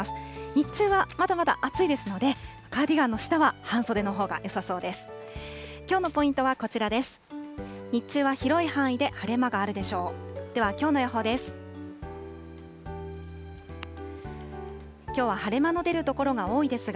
日中はまだまだ暑いですので、カーディガンの下は半袖のほうがよさそうです。